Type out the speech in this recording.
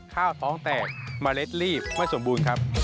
ข้าวท้องแตกมะเล็กรีบไม่สมบูรณ์ครับ